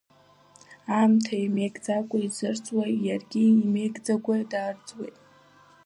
Аамҭа иамеигӡакәа изырӡуа, иаргьы имеигӡакәа дарӡуеит.